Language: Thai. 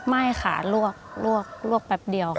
ไม่ค่ะลวกแป๊บเดียว